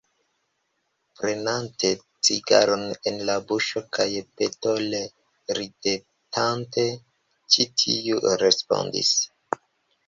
Prenante cigaron el la buŝo kaj petole ridetante, ĉi tiu respondis: